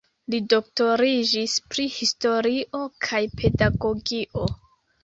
Li doktoriĝis pri historio kaj pedagogio.